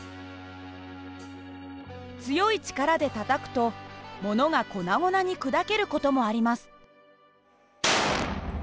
強い力でたたくとものが粉々に砕ける事もあります。